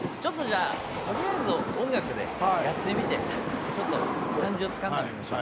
とりあえず音楽でやってみてちょっと感じをつかんでみましょう。